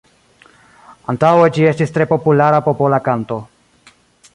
Antaŭe ĝi estis tre populara popola kanto.